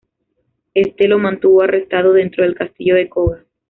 Éste lo mantuvo arrestado dentro del Castillo de Koga.